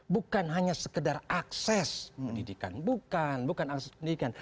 bukan hanya sekedar akses pendidikan bukan bukan akses pendidikan